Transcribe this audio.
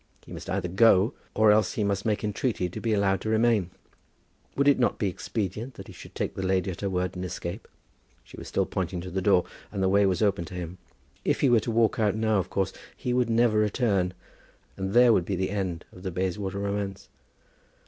He must either go, or else he must make entreaty to be allowed to remain. Would it not be expedient that he should take the lady at her word and escape? She was still pointing to the door, and the way was open to him. If he were to walk out now of course he would never return, and there would be the end of the Bayswater romance.